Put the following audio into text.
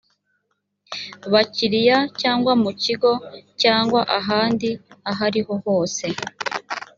bakiriya cyangwa mu kigo cyangwa ahandi ahoriho hose